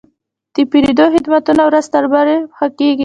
د پیرود خدمتونه ورځ تر بلې ښه کېږي.